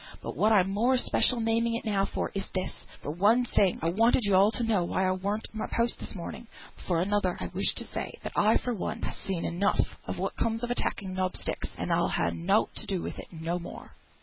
But what I'm more especial naming it now for is this, for one thing I wanted yo all to know why I weren't at my post this morning; for another, I wish to say, that I, for one, ha' seen enough of what comes of attacking knob sticks, and I'll ha nought to do with it no more."